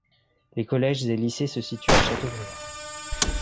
Les collèges et lycées se situent à Châteaubriant.